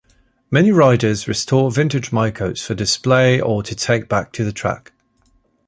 Many riders restore vintage Maicos for display or to take back to the track.